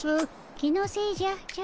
気のせいじゃちゃ